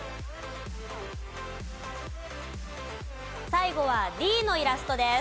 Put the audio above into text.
最後はＤのイラストです。